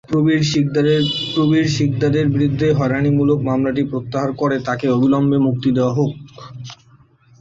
প্রবীর সিকদারের বিরুদ্ধে হয়রানিমূলক মামলাটি প্রত্যাহার করে তাঁকে অবিলম্বে মুক্তি দেওয়া হোক।